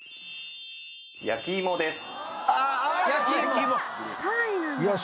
焼き芋です。